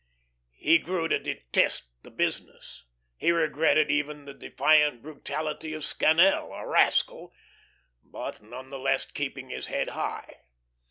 He grew to detest the business; he regretted even the defiant brutality of Scannel, a rascal, but none the less keeping his head high.